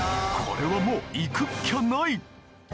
これはもう行くっきゃない！